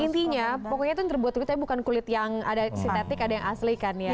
intinya pokoknya itu yang terbuat juga tapi bukan kulit yang ada sintetik ada yang asli kan ya